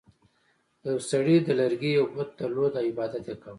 یو سړي د لرګي یو بت درلود او عبادت یې کاوه.